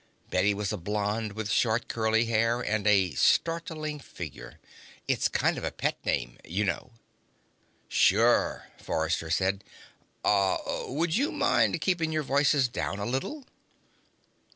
Bette was a blonde with short, curly hair and a startling figure. "It's kind of a pet name. You know." "Sure," Forrester said. "Uh would you mind keeping your voices down a little?"